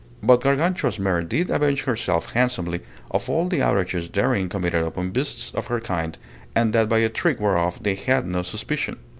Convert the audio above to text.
But Gargantua's mare did avenge herself handsomely of all the outrages therein committed upon beasts of her kind, and that by a trick whereof they had no suspicion.